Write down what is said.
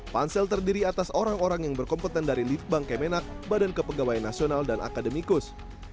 pansel terdiri atas orang orang yang berkompeten dari litbang kemenak badan kepegawaian nasional dan akademikus